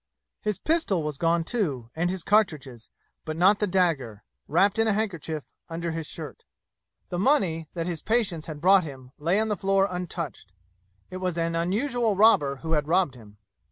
His pistol was gone, too, and his cartridges, but not the dagger, wrapped in a handkerchief, under his shirt. The money, that his patients had brought him, lay on the floor untouched. It was an unusual robber who had robbed him.